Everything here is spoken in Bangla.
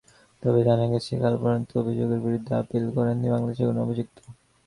তবে জানা গেছে, কাল পর্যন্তও অভিযোগের বিরুদ্ধে আপিল করেননি বাংলাদেশের কোনো অভিযুক্ত।